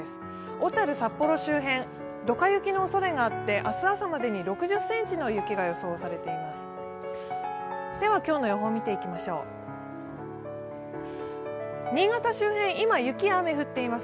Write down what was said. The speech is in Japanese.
小樽、札幌周辺、ドカ雪のおそれがあって、明日朝までに６０ｃｍの雪が予想されています。